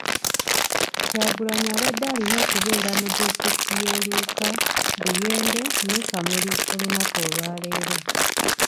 Kyagulanyi abadde alina okubeera mu disitulikiti y'e Luuka, Buyende ne Kamuli olunaku lwaleero.